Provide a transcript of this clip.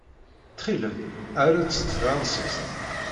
Ttxil-m, err-d s tefṛansist.